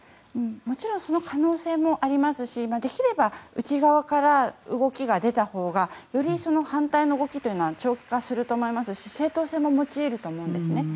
もちろんその可能性もありますし内側から動きが出たほうがより反対の動きというのは長期化すると思いますし正当性も持ち得ると思います。